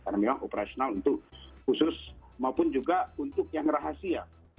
karena memang operasional untuk khusus maupun juga untuk yang rahasia